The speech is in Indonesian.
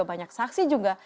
juga banyak saksi juga